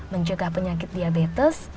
menjaga penyakit diabetes